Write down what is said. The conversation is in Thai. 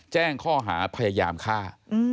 แจ้งข้อหาพยายามฆ่า